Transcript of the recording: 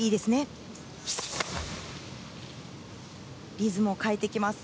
リズムを変えてきます。